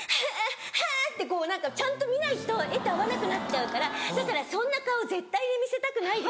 「アァアァ」ってこうちゃんと見ないと絵と合わなくなっちゃうからだからそんな顔絶対に見せたくないです。